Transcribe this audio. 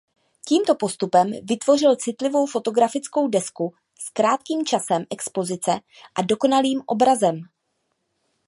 Tímto postupem vytvořil citlivou fotografickou desku s krátkým časem expozice a dokonalým obrazem.